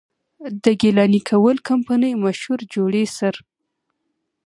د ګيلاني کول کمپني مشهور جوړي سر،